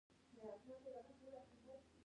په دې بمبار کې روسي ملکیان او هغه عسکر ووژل شول